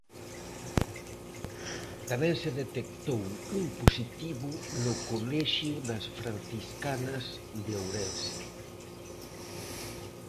Tamén se detectou un positivo no colexio das Franciscanas de Ourense.